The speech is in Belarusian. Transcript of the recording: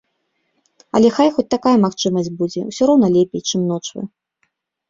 Але хай хоць такая магчымасць будзе, усё роўна лепей, чым ночвы.